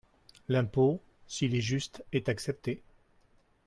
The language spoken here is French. L’impôt, s’il est juste, est accepté.